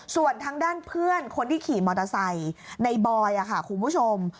ส่วนทางด้านเพื่อนคนที่ขี่มอเตอร์ไซค์ในบอยค่ะคุณผู้ชม